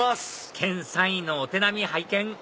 県３位のお手並み拝見！